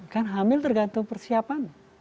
kan hamil tergantung persiapan